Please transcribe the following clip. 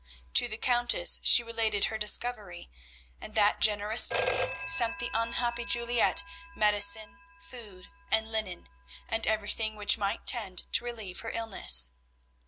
To the Countess she related her discovery, and that generous lady sent the unhappy Juliette medicine, food, and linen, and everything which might tend to relieve her illness.